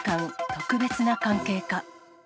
特別な関係か。